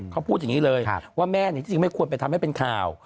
เขาพูดอย่างนี้เลยว่าแม่จริงไม่ควรไปทำให้เป็นข่าว